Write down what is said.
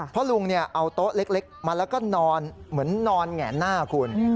เพราะลุงเอาโต๊ะเล็กมาแล้วก็นอนเหมือนนอนแหงหน้าคุณ